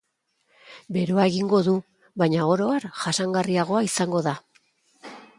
Beroa egingo du, baina oro har jasangarriagoa izango da.